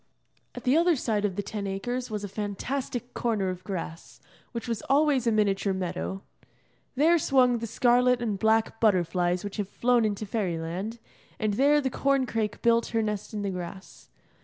At the other side of the Ten Acres was a fantastic corner of grass, which was always a miniature meadow. There swung the scarlet and black butterflies which have flown into Fairyland, and there the corn crake built her nest in the grass.